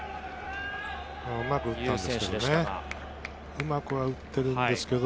うまく打ったんですけどね。